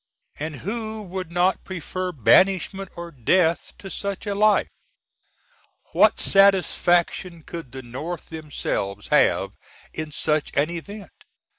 And who would not prefer banishment or death to such a life? What Satisfac^n could the North themselves have in such an event?